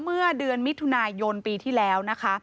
เมื่อเดือนมิถุนายนปีที่แล้วนะคะ